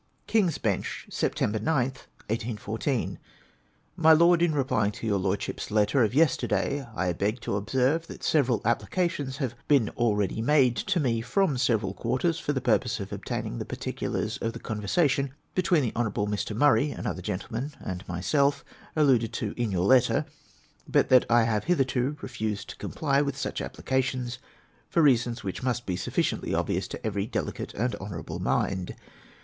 Kiug's Bench, Sept. Otli, 1814. My Lord, — In replying to your Lordship's letter of yes terday, I beg to ol3serve that several applications have been already made to me from several quarters, for the purpose of obtaining the particulars of the conversation between the Honourable Mr. Murray, another gentlemen, and myself, alluded to in your letter, but that I have hitherto refused to comply with such applications, for reasons which must be sufficiently obvious to every delicate and honourable mind.